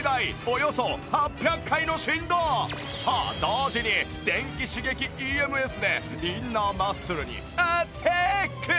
と同時に電気刺激 ＥＭＳ でインナーマッスルにアタック